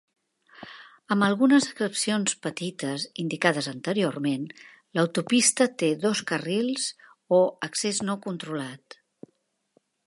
Amb algunes excepcions petites indicades anteriorment, l"autopista té dos carrils o accés no controlat.